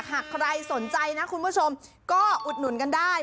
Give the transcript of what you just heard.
หากใครสนใจนะคุณผู้ชมก็อุดหนุนกันได้